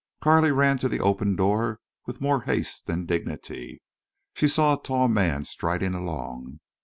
Carley ran to the open door with more haste than dignity. She saw a tall man striding along.